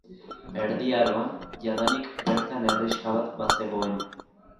Erdi Aroan jadanik bertan herrixka bat bazegoen.